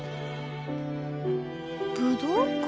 「武道館」？